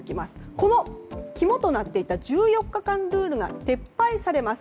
この肝となっていた１４日間ルールが撤廃されます。